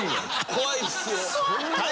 怖いですよ。